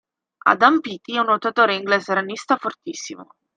Adam Peaty è un nuotatore inglese ranista fortissimo.